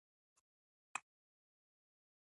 خو د ثابتې پانګې په پرتله یې وده کمزورې وي